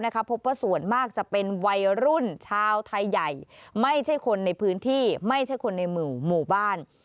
พบว่าส่วนมากจะเป็นวัยรุ่นชาวไทยใหญ่ไม่ใช่คนในพื้นที่ไม่ใช่คนในหมู่บ้าน